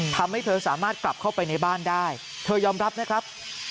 ทำให้เธอสามารถกลับเข้าไปในบ้านได้เธอยอมรับนะครับ